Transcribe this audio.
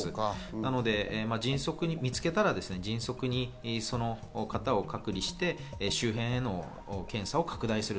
なので見つけたら迅速にその方を隔離して周辺の検査を拡大する。